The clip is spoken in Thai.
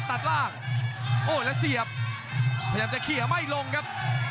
ตัดล่างโอ้แล้วเสียบพยายามจะเขียไม่ลงครับ